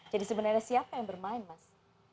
jadi sebenarnya siapa yang bermain mas